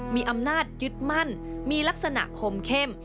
มีอำนาจยึดมั่นมีลักษณะคมเข้ม